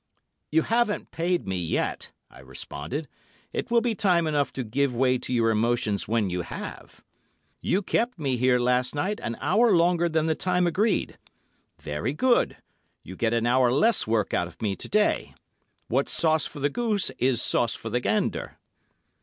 "You haven't paid me yet," I responded; "it will be time enough to give way to your emotions when you have. You kept me here last night an hour longer than the time agreed. Very good! You get an hour less work out of me to day. What's sauce for the goose is sauce for the gander."